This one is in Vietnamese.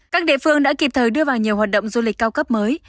các địa phương đã kịp thời đưa vào nhiều hoạt động du lịch cao cấp mới